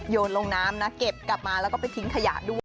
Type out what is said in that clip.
โยนลงน้ำนะเข็บกลับมาทิ้งขยะด้วย